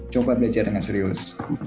coba belajar dengan serius